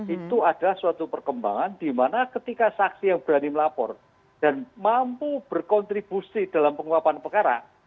itu adalah suatu perkembangan di mana ketika saksi yang berani melapor dan mampu berkontribusi dalam penguapan pekara